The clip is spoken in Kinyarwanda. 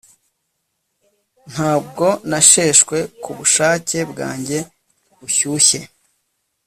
ntabwo yasheshwe kubushake bwanjye bushyushye